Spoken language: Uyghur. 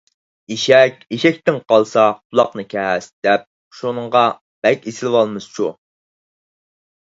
«ئېشەك ئېشەكتىن قالسا قۇلاقنى كەس» دەپ، شۇنىڭغا بەك ئېسىلىۋالىمىزچۇ .